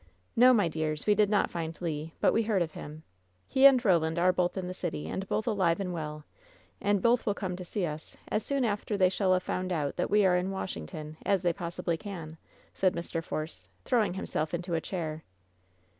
"No, my dears, we did not find Le, but we heard of him. He and Roland are both in the city, and both alive and well; and both will come to see us as soon after they shall have found out that we are in Washington as they possibly can," said Mr. Force, throwing himself into a chair.